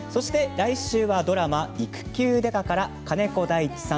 来週はドラマ「育休刑事」から金子大地さん